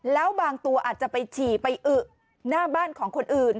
แล้วบางตัวอาจจะชีผ่ายน่าบ้านของคนอื่น